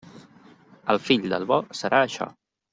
El fill del bo serà això.